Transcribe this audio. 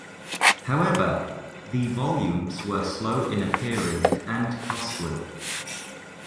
However, the volumes were slow in appearing and costly.